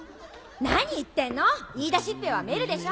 何言ってんの言い出しっぺはメルでしょ！